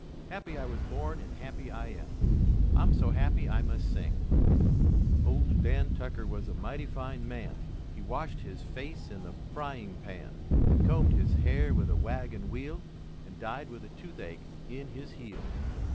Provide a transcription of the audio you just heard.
Happy I was born and happy I am. I'm so happy I must sing: "Ol Dan Tucker was a mighty fine man, He washed his face in the frying pan, He combed his hair with a wagon wheel And died with a toothache in his heel."